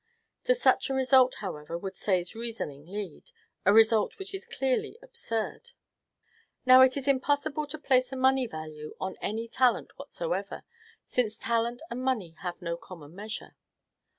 To such a result, however, would Say's reasoning lead; a result which is clearly absurd. Now, it is impossible to place a money value on any talent whatsoever, since talent and money have no common measure.